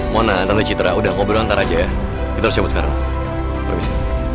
mona tanda citra udah ngobrol antar aja ya kita harus cabut sekarang permisi